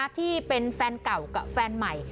ที่เป็นแฟนเก่ากับแฟนใหม่